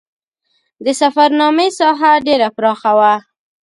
د سفرنامې ساحه ډېره پراخه وه.